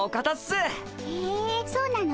へえそうなの？